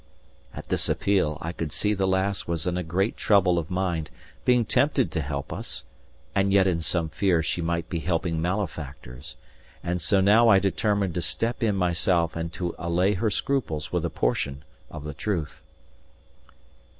At this appeal, I could see the lass was in great trouble of mind, being tempted to help us, and yet in some fear she might be helping malefactors; and so now I determined to step in myself and to allay her scruples with a portion of the truth.